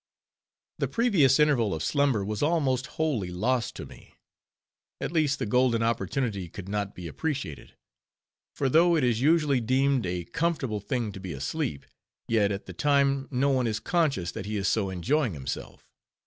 The previous interval of slumber was almost wholly lost to me; at least the golden opportunity could not be appreciated: for though it is usually deemed a comfortable thing to be asleep, yet at the time no one is conscious that he is so enjoying himself.